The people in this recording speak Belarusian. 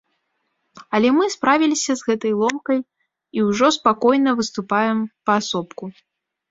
Але мы справіліся з гэтай ломкай і ўжо спакойна выступаем паасобку.